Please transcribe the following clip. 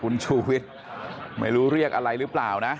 คุณชูวิทย์ไม่รู้เรียกอะไรหรือเปล่านะ